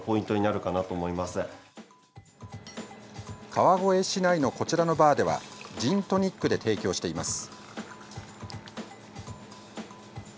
川越市内のこちらのバーではジントニックで提供しています。